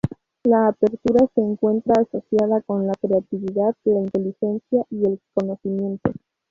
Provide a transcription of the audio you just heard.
La Apertura se encuentra asociada con la creatividad, la inteligencia y el conocimiento.